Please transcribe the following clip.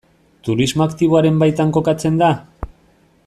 Turismo aktiboaren baitan kokatzen da?